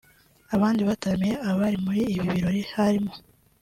Abandi bataramiye abari muri ibi birori harimo